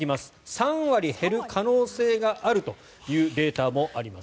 ３割減る可能性があるというデータもあります。